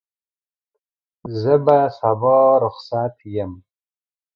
زه به سبا رخصت یم.